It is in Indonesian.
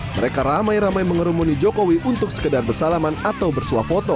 mereka ramai ramai mengerumuni jokowi untuk sekedar bersalaman atau bersuah foto